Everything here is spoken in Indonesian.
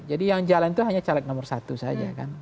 jadi yang jalan itu hanya caleg nomor satu saja kan